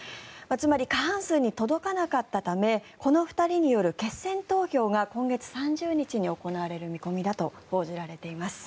つまり過半数に届かなかったためこの２人による決選投票が今月３０日に行われる見込みだと報じられています。